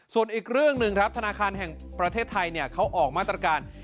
ส่วนอีกเรื่องหนึ่งครับธนาคารแห่งประเทศไทยเขาออกมาตรการ